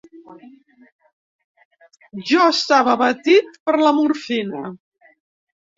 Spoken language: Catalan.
Jo estava abaltit per la morfina